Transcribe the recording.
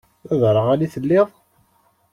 D aderɣal i telliḍ?